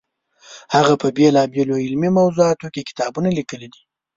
هغه په بېلابېلو علمي موضوعاتو کې کتابونه لیکلي دي.